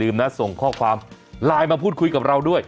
มาพูดคุยกับเราด้วย